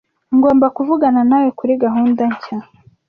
Ngomba kuvugana nawe kuri gahunda nshya.